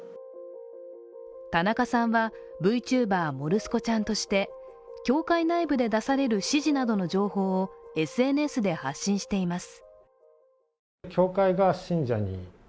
田中さんは、ＶＴｕｂｅｒ・もるすこちゃんとして教会内部で出される指示などの情報をＳＮＳで発信しています。